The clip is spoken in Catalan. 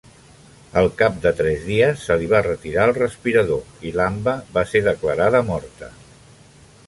Al cap de tres dies, se li va retirar el respirador i Lamba va ser declarada morta.